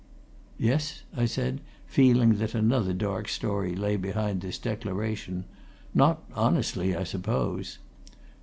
"Yes?" I said, feeling that another dark story lay behind this declaration. "Not honestly, I suppose?"